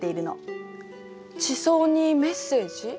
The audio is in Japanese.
地層にメッセージ？